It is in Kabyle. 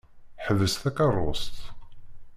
Ḥbes takeṛṛust!